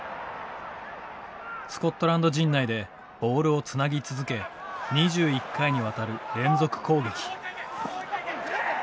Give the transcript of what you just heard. スコットランド陣内でボールをつなぎ続け２１回にわたる連続攻撃。